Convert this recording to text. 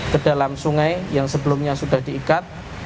kedua ksa dan pid